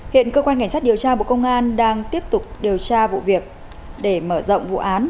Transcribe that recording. hiện cơ quan cảnh sát điều tra bộ công an đang tiếp tục điều tra vụ việc để mở rộng vụ án